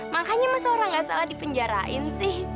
makanya masa orang gak salah dipenjarain sih